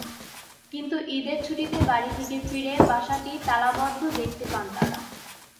কিন্তু ঈদের ছুটিতে বাড়ি থেকে ফিরে বাসাটি তালাবদ্ধ দেখতে পান তাঁরা।